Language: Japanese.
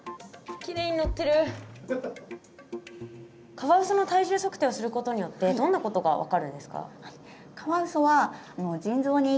カワウソの体重測定をすることによってどんなことが分かるんですか？